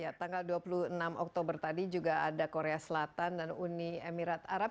ya tanggal dua puluh enam oktober tadi juga ada korea selatan dan uni emirat arab